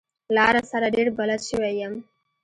لاره سره ډېر بلد شوی يم.